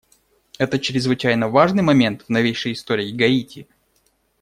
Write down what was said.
Это чрезвычайно важный момент в новейшей истории Гаити.